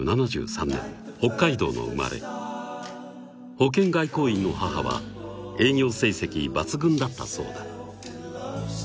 保険外交員の母は営業成績抜群だったそうだ